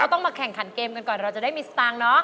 ต้องมาแข่งขันเกมกันก่อนก่อนเราจะได้มิสปั้ง